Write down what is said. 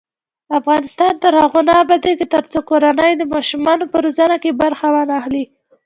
افغانستان تر هغو نه ابادیږي، ترڅو کورنۍ د ماشومانو په روزنه کې برخه وانخلي.